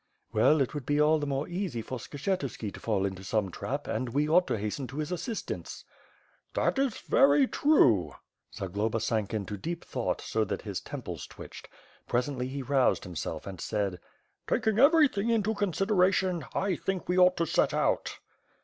"Well, it would be all the more easy for Skshetuski to fall into some trap, and we ought to hasten to his assistance/' "That is very true." Zagloba sank into deep thought, so that his temples twitched. Presently he roused himself and said: "Taking everything into consideration, I think we ought to set out."